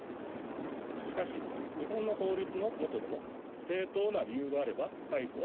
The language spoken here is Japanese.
しかし日本の法律の下でも正当な理由があれば解雇は認められます。